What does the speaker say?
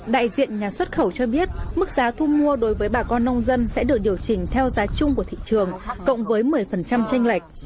đại diện nhà xuất khẩu cho biết mức giá thu mua đối với bà con nông dân sẽ được điều chỉnh theo giá chung của thị trường cộng với một mươi tranh lệch